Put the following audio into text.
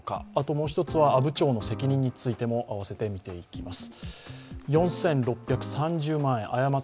もう一つは阿武町の責任についても合わせて見ていきます。